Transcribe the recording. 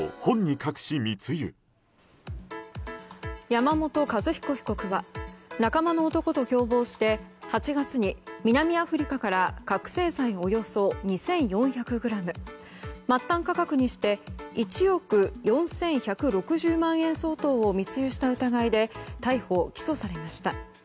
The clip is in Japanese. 山本和彦被告は仲間の男と共謀して８月に南アフリカから覚醒剤およそ２４００ｇ末端価格にして１億４１６０万円相当を密輸した疑いで逮捕・起訴されました。